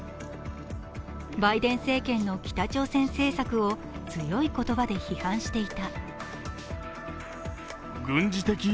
バイデン政権の北朝鮮政策を強い言葉で批判していた。